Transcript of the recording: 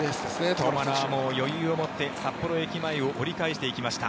トマラは余裕を持って札幌駅前を折り返していきました。